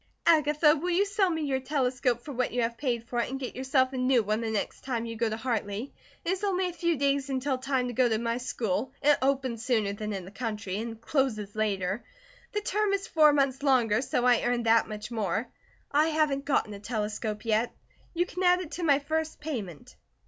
"Agatha, will you sell me your telescope for what you paid for it, and get yourself a new one the next time you go to Hartley? It is only a few days until time to go to my school, it opens sooner than in the country, and closes later. The term is four months longer, so I earn that much more. I haven't gotten a telescope yet. You can add it to my first payment."